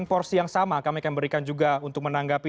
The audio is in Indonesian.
porsi yang sama kami akan berikan juga untuk menanggapi